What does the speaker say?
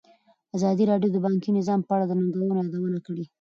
ازادي راډیو د بانکي نظام په اړه د ننګونو یادونه کړې.